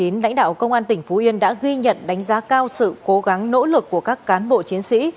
lãnh đạo công an tỉnh phú yên đã ghi nhận đánh giá cao sự cố gắng nỗ lực của các cán bộ chiến sĩ